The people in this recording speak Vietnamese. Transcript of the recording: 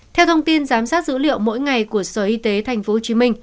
theo thông tin giám sát dữ liệu mỗi ngày của sở y tế tp hcm